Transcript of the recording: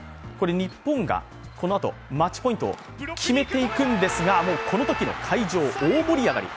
日本がこのあと、マッチポイントを決めていくんですが、このときの会場、大盛り上がり。